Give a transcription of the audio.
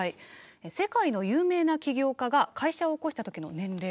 世界の有名な起業家が会社を起こした時の年齢。